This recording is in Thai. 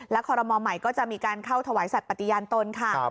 คอรมอลใหม่ก็จะมีการเข้าถวายสัตว์ปฏิญาณตนค่ะ